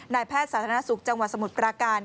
แพทย์สาธารณสุขจังหวัดสมุทรปราการ